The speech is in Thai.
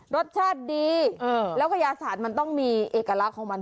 รสชาติดีแล้วกระยาศาสตร์มันต้องมีเอกลักษณ์ของมัน